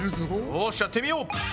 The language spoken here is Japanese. よしやってみよう！